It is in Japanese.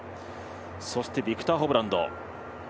そしてビクター・ホブランド。